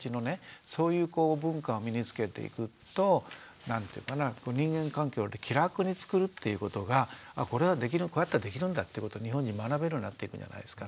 そういう文化を身につけていくと何ていうかな人間関係を気楽につくるっていうことがこれはこうやったらできるんだっていうことを日本人学べるようになっていくんじゃないですかね。